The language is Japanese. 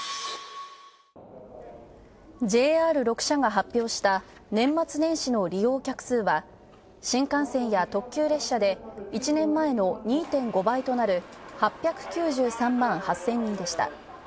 ＪＲ６社が発表した年末年始の利用客数は新幹線や特急列車で１年前の２．５倍となる、８９３万８０００人でした。